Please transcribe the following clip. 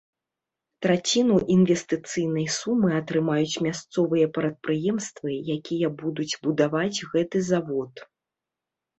Траціну інвестыцыйнай сумы атрымаюць мясцовыя прадпрыемствы, якія будуць будаваць гэты завод.